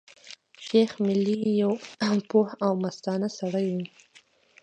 شېخ ملي يو پوه او مستانه سړی وو.